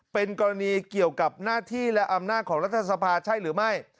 เป็นกรณีเกี่ยวกับหน้าที่และอำนาจของรัฐสภาใช่หรือไม่